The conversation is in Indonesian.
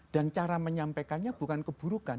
dan cara menyampaikannya bukan keburukan